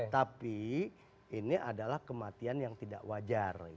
tapi ini adalah kematian yang tidak wajar